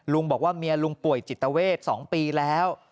บอกว่าเมียลุงป่วยจิตเวท๒ปีแล้ว